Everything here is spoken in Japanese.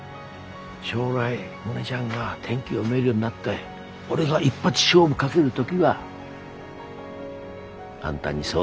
将来モネちゃんが天気読めるようになって俺が一発勝負かける時はあんたに相談する。